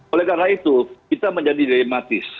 oleh karena itu kita menjadi dilematis